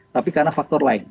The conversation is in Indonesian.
tapi karena faktor lain